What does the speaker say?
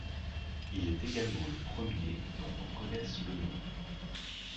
Il est également le premier dont on connaisse le nom.